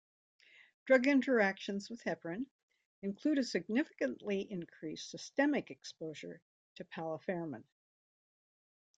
Drug interactions with Heparin include a significantly increased systemic exposure to Palifermin.